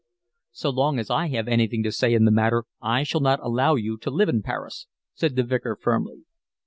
"So long as I have anything to say in the matter, I shall not allow you to live in Paris," said the Vicar firmly.